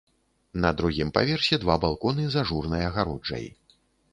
На другім паверсе два балконы з ажурнай агароджай.